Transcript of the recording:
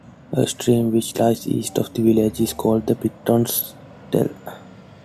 A stream which lies east of the village is called the Picton Stell.